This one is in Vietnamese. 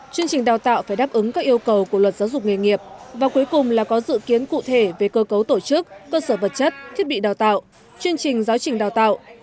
chương trình đào tạo phải đáp ứng các yêu cầu của luật giáo dục nghề nghiệp và cuối cùng là có dự kiến cụ thể về cơ cấu tổ chức cơ sở vật chất thiết bị đào tạo chương trình giáo trình đào tạo